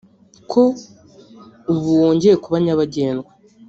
ko ubu wongeye kuba nyabagendwa